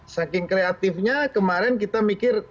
saking kreatifnya kemarin kita mikir